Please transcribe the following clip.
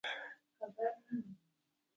د اوسپنې پټلۍ د پروژو حسابونه وڅېړي.